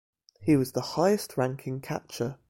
He was the highest-ranking catcher.